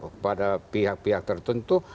kepada pihak pihak tertentu